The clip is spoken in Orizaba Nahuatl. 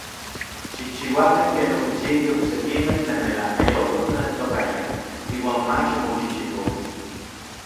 Xikchiuakan ken okichijkej oksekimej tlen melajkayopaj otlaneltokayaj iuan mach omoxijxikojkej.